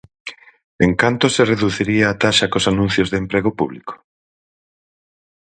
¿En canto se reduciría a taxa cos anuncios de emprego público?